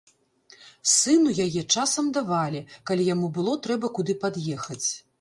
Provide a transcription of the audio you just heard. Сыну яе часам давалі, калі яму было трэба куды пад'ехаць.